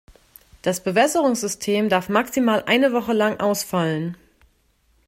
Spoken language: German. Das Bewässerungssystem darf maximal eine Woche lang ausfallen.